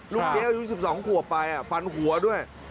ลูกนี้เอาอยู่๑๒ขัวไปฟันหัวด้วย